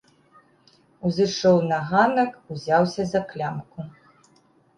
Узышоў на ганак, узяўся за клямку.